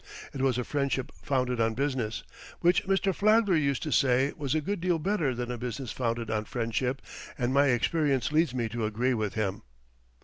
It was a friendship founded on business, which Mr. Flagler used to say was a good deal better than a business founded on friendship, and my experience leads me to agree with him.